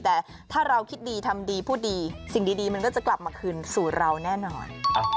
แต่ถ้าเราคิดดีทำดีพูดดีสิ่งดีมันก็จะกลับมาคืนสู่เราแน่นอน